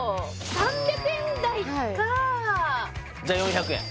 ３００円台かじゃあ４００円